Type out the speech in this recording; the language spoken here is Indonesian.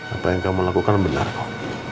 apa yang kamu lakukan benar kok